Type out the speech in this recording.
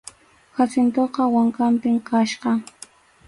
Jacintoqa wankanpim kachkan.